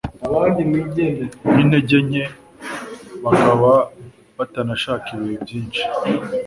n’intege nke, bakaba batanashaka ibihe byinshi